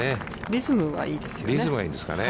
リズムがいいですよね。